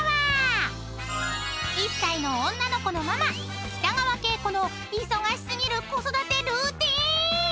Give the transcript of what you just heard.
［１歳の女の子のママ北川景子の忙し過ぎる子育てルーティン］